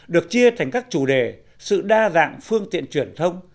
được chia thành các chủ đề sự đa dạng phương tiện truyền thông